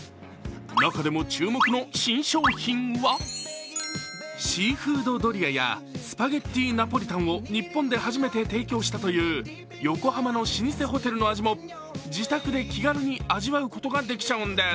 中でも注目の新商品はシーフードドリアやスパゲッティナポリタンを日本で初めて提供したという横浜の老舗ホテルの味も自宅で気軽に味わうことができちゃうんです。